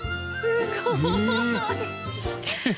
すごーい！